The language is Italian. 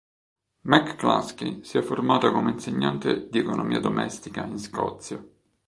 McCluskey si è formata come insegnante di economia domestica in Scozia.